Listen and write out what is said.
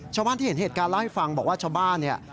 ชาวบ้านที่เห็นเหตุการณ์เล่าให้ฟังบอกว่าชาวบ้านเนี่ย